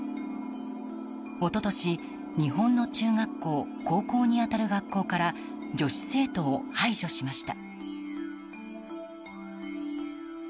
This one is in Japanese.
一昨年、日本の中学校、高校に当たる学校から女子生徒を排除しました。